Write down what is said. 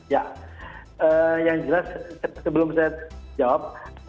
ya yang jelas sebelum saya jawab